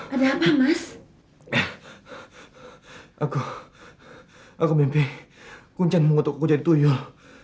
ada apa mas aku aku mimpi kuncang untuk ku jadi tuyul